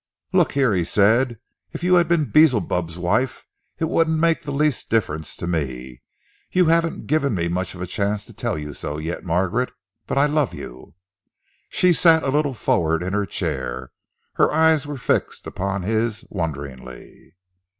"Look here," he said, "if you had been Beelzebub's wife, it wouldn't make the least difference to me. You haven't given me much of a chance to tell you so yet, Margaret, but I love you." She sat a little forward in her chair. Her eyes were fixed upon his wonderingly.